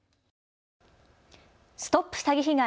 ＳＴＯＰ詐欺被害！